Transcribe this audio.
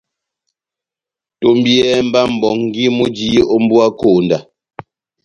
Tombiyɛhɛ mba mʼbongi múji ó mbuwa konda !